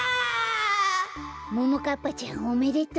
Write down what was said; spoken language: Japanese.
ももかっぱちゃんおめでとう。